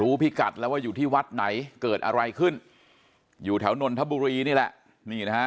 พิกัดแล้วว่าอยู่ที่วัดไหนเกิดอะไรขึ้นอยู่แถวนนทบุรีนี่แหละนี่นะฮะ